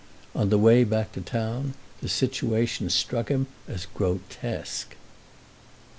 On the way back to town the situation struck him as grotesque. V.